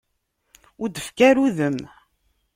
Ur d-tefki ara udem.